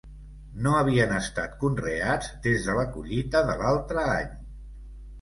No havien estat conreats des de la collita de l'altre any